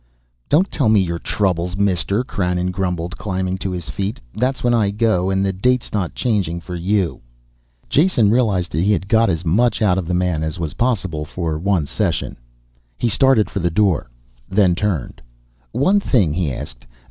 "Don't tell me your troubles, mister," Krannon grumbled, climbing to his feet. "That's when I go and the date's not changing for you." Jason realized he had got as much out of the man as was possible for one session. He started for the door, then turned. "One thing," he asked.